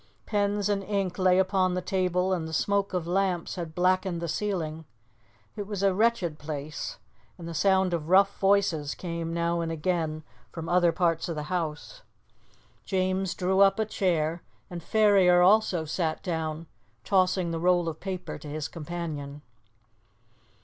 Pens and ink lay upon the table and the smoke of lamps had blackened the ceiling. It was a wretched place, and the sound of rough voices came now and again from other parts of the house. James drew up a chair, and Ferrier also sat down, tossing the roll of paper to his companion.